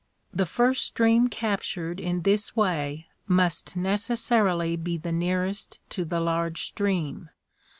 The first stream captured in this way must necessarily be the nearest to the large stream.